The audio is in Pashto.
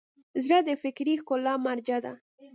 زړه د فکري ښکلا مرجع ده.